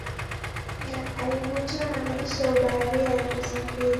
Alivutiwa na maisha ya ubaharia ya kusafiri